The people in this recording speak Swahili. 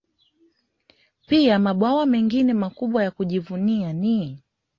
Pia mabwawa mengine makubwa ya kujivunia ni